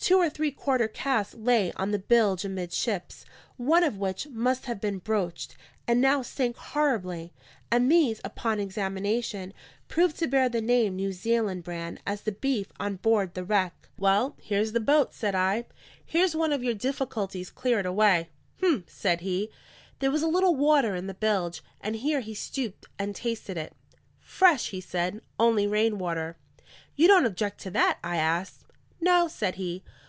Two or three quarter casks lay on the bilge amidships, one of which must have been broached, and now stank horribly; and these, upon examination, proved to bear the same New Zealand brand as the beef on board the wreck. "Well, here's the boat," said I; "here's one of your difficulties cleared away." "H'm," said he. There was a little water in the bilge, and here he stooped and tasted it. "Fresh," he said. "Only rain water." "You don't object to that?" I asked. "No," said he.